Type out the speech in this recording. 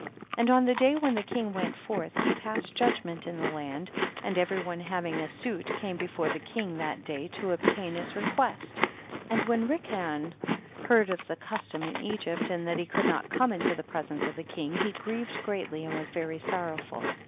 4. And on the day when the king went forth he passed judgment in the land, and every one having a suit came before the king that day to ob tain his request. 5. And when Rikayon heard of the custom in Egypt and that he could not come into the presence of the king, he grievgd greatly and was very sorrowful.